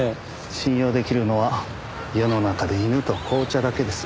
信用出来るのは世の中で犬と紅茶だけです。